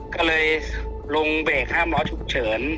ก็เลยลงเบรกห้ามล้อฉุกเฉิน